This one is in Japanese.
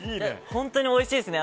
本当においしいですね。